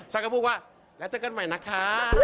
ฉันก็พูดว่าแล้วเจอกันใหม่นะคะ